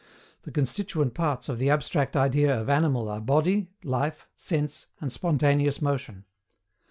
The constituent parts of the abstract idea of animal are body, life, sense, and spontaneous motion.